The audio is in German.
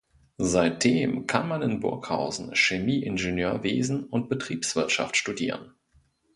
Seitdem kann man in Burghausen Chemieingenieurwesen und Betriebswirtschaft studieren.